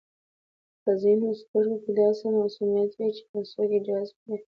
په ځینو سترګو کې داسې معصومیت وي چې هر څوک یې جذب کړي.